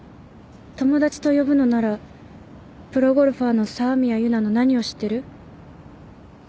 友達と呼ぶのならプロゴルファーの沢宮結奈の何を知ってる？